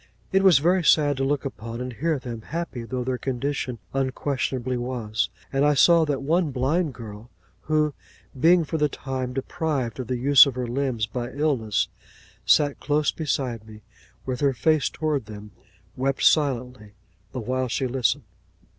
It was very sad to look upon and hear them, happy though their condition unquestionably was; and I saw that one blind girl, who (being for the time deprived of the use of her limbs, by illness) sat close beside me with her face towards them, wept silently the while she listened.